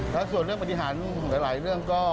แล้วส่วนเรื่องปฏิหารหลายเรื่องก็